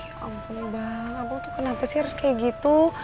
aduh ya ampun bang abang tuh kenapa sih harus kayak gitu